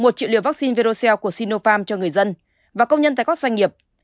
một triệu liều vaccine virus của sinopharm cho người dân và công nhân tại các doanh nghiệp